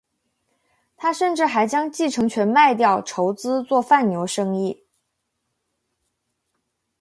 他甚至还将继承权卖掉筹资做贩牛生意。